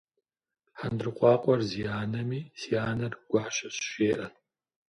Хьэндыркъуакъуэр зи анэми, си анэр гуащэщ жеӏэ.